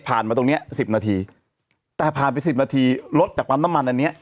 ผ่านมาตรงนี้๑๐นาทีแต่ผ่านไป๑๐นาทีรถจากปั๊มน้ำมันอันนี้